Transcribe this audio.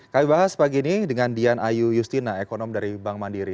kami bahas pagi ini dengan dian ayu justina ekonom dari bank mandiri